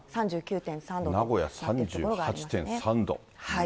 名古屋３８．３度。